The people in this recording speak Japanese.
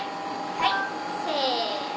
はいせの。